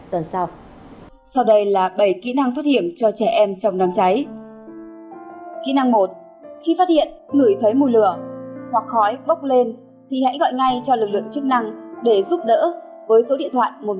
thì hãy gọi ngay cho lực lượng chức năng để giúp đỡ với số điện thoại một trăm một mươi bốn